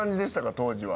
当時は。